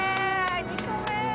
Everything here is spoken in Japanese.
２個目！